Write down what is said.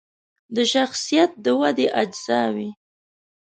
د شخصیت د ودې اجزاوې